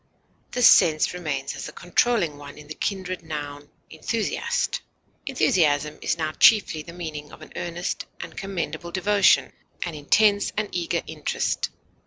This sense remains as the controlling one in the kindred noun enthusiast. Enthusiasm has now chiefly the meaning of an earnest and commendable devotion, an intense and eager interest.